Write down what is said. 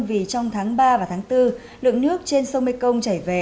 vì trong tháng ba và tháng bốn lượng nước trên sông mekong chảy về